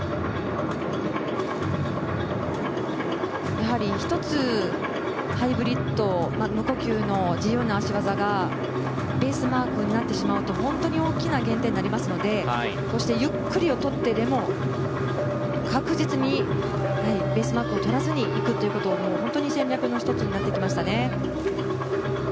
やはり１つ、ハイブリッド無呼吸の自由の脚技がベースマークになってしまうと本当に大きな減点になってしまいますのでこうしてゆっくりをとってでも確実にベースマークをとらずに行くっていうことが戦略の１つになってきましたね。